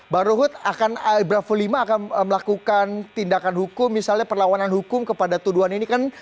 bang ruhut akan bravo lima akan melakukan tindakan hukum misalnya perlawanan hukum kepada tuduhan ini kan